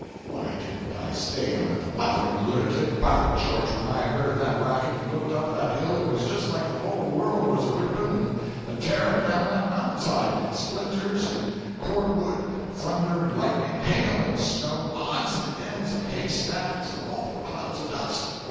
Why didn't I stay on it, the blathering lunatic—by George, when I heard that racket and looked up that hill it was just like the whole world was a ripping and a tearing down that mountain side—splinters, and cord wood, thunder and lightning, hail and snow, odds and ends of hay stacks, and awful clouds of dust!